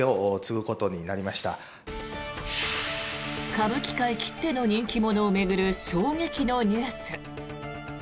歌舞伎界きっての人気者を巡る衝撃のニュース。